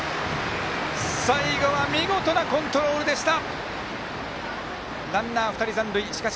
最後は見事なコントロールでした。